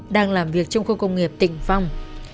đang làm việc trong khu công nghiệp tỉnh phong